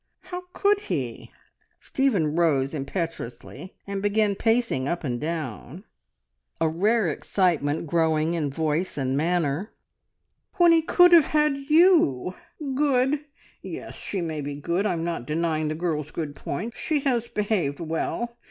How could he?" Stephen rose impetuously, and began pacing up and down, a rare excitement growing in voice and manner. "When he could have had You! ... Good? Yes! She may be good I'm not denying the girl's good points. She has behaved well.